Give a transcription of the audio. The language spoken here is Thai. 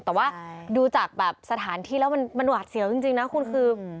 แต่ว่าดูจากแบบสถานที่แล้วมันหวาดเสียวจริงนะคุณคือ